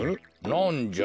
なんじゃ？